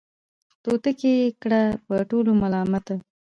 توتکۍ یې کړه په ټولو ملامته